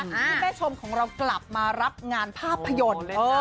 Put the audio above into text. ที่แม่ชมของเรากลับมารับงานภาพยนตร์